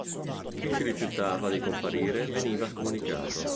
Chi si rifiutava di comparire veniva scomunicato.